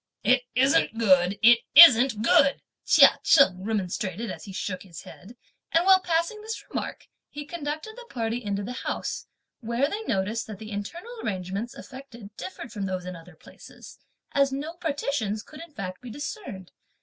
"It isn't good! it isn't good!" Chia Cheng remonstrated as he shook his head; and while passing this remark, he conducted the party into the house, where they noticed that the internal arrangements effected differed from those in other places, as no partitions could, in fact, be discerned.